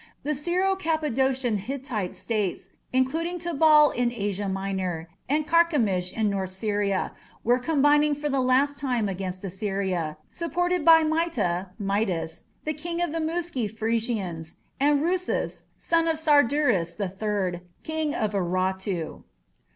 The Syro Cappadocian Hittite states, including Tabal in Asia Minor and Carchemish in north Syria, were combining for the last time against Assyria, supported by Mita (Midas), king of the Muski Phrygians, and Rusas, son of Sharduris III, king of Urartu.